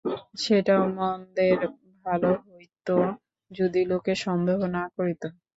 সেটাও মন্দের ভালো হইত যদি লোকে সন্দেহ না করিত।